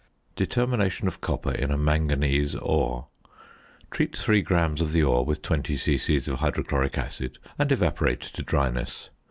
~Determination of Copper in a Manganese Ore.~ Treat 3 grams of the ore with 20 c.c. of hydrochloric acid, and evaporate to dryness.